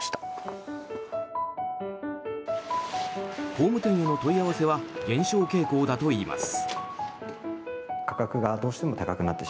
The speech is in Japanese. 工務店への問い合わせは減少傾向だといいます。